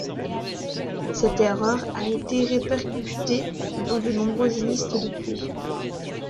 Cette erreur a été répercutée dans de nombreuses listes depuis.